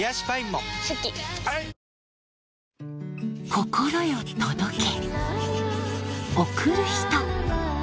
心よ届け